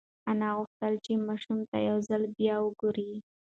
انا غوښتل چې ماشوم ته یو ځل بیا وگوري.